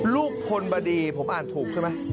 ลูกพลบดีผมอ่านถูกใช่มั้ย